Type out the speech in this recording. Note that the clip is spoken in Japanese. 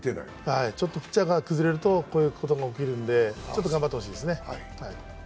ちょっとピッチャーが崩れるとこういうことが起きるんで、頑張ってほしいですね。